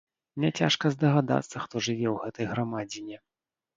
Няцяжка здагадацца, хто жыве ў гэтай грамадзіне.